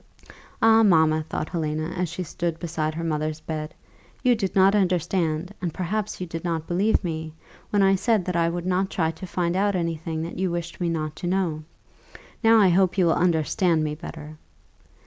"Ah, mamma!" thought Helena, as she stood beside her mother's bed, "you did not understand, and perhaps you did not believe me, when I said that I would not try to find out any thing that you wished me not to know. Now I hope you will understand me better."